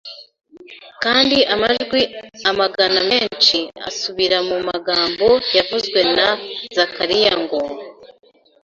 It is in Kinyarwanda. kandi amajwi amagana menshi asubira mu magambo yavuzwe na Zakariya ngo